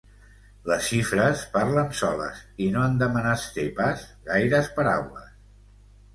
Les xifres parlen soles i no han de menester pas gaires paraules.